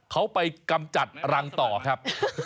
เขาไปกำจัดรังต่อครับ